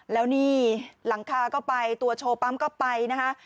แล้วนี่หลังคาก็ไปตัวโชว์ปั๊มก็ไปนะคะ